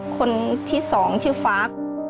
คนที่๒ชื่อฟ้า